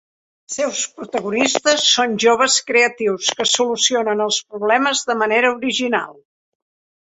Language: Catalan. Els seus protagonistes són joves creatius que solucionen els problemes de manera original.